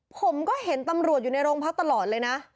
ผมก็เห็นตำรวจอยู่ในโรงพักตลอดเลยนะ